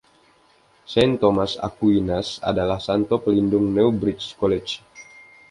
Saint Thomas Aquinas adalah santo pelindung Newbridge College.